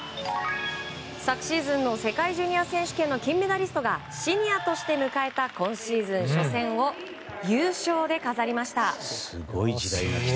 昨シーズンの世界ジュニア選手権金メダリストがシニアとして迎えた今シーズン初戦を優勝で飾りました。